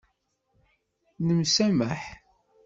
Nemsamaḥ.